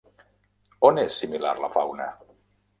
On és similar la fauna?